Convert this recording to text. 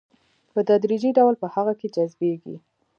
په تدريجي ډول په هغه کې جذبيږي.